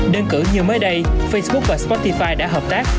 đơn cử như mới đây facebook và spotify đã hợp tác